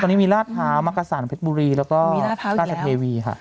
ตอนนี้มีราชเท้ามักกระสานเพชรบุรีแล้วก็มีราชเท้าอีกแล้วแล้วก็กาแทนเทวีค่ะ